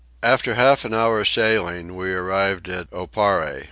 After half an hour's sailing we arrived at Oparre.